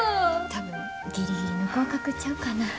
多分ギリギリの合格ちゃうかな。